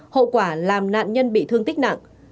hậu quả làm nạn nhân bị thương tích nặng